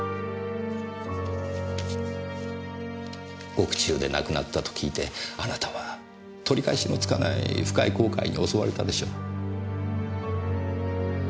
獄中で亡くなったと聞いてあなたは取り返しのつかない深い後悔に襲われたでしょう。